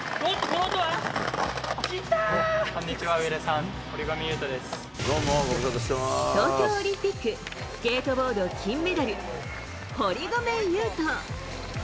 こんにちは、上田さん、東京オリンピック、スケートボード金メダル、堀米雄斗。